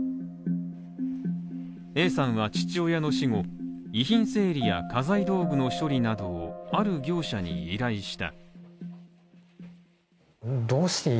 Ａさんは父親の死後、遺品整理や家財道具の処理などをある業者に依頼した。